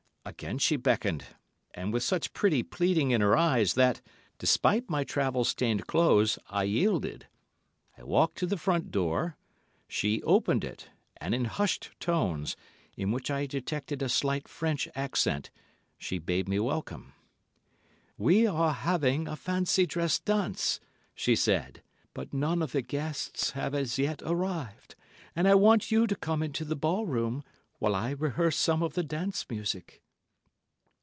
Again she beckoned, and with such pretty pleading in her eyes that, despite my travel stained clothes, I yielded. I walked to the front door; she opened it, and in hushed tones, in which I detected a slight French accent, she bade me welcome. "We are having a fancy dress dance," she said, "but none of the guests have as yet arrived, and I want you to come into the ball room while I rehearse some of the dance music."